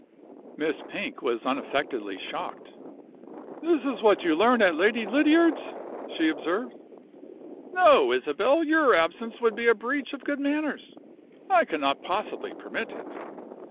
Miss Pink was unaffectedly shocked. "This is what you learn at Lady Lydiard's!" she observed. "No, Isabel, your absence would be a breach of good manners I cannot possibly permit it.